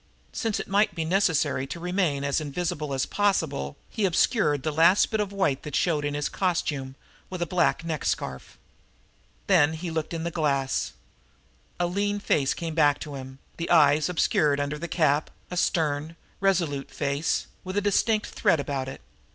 Since it might be necessary to remain as invisible as possible, he obscured the last bit of white that showed in his costume, with a black neck scarf. Then he looked in the glass. A lean face looked back at him, the eyes obscured under the cap, a stern, resolute face, with a distinct threat about it.